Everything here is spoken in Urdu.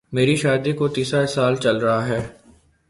میری شادی کو تیسرا سال چل رہا ہے